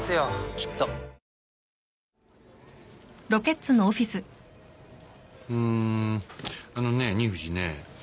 きっとうんあのね二藤ね。